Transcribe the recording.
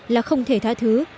là không thể tha thứ